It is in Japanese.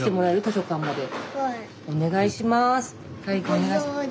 お願いします。